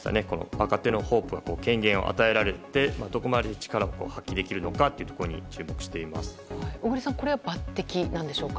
若手のホープに権限を与えられてどこまで力を発揮できるのか小栗さんこれは抜擢なんでしょうか？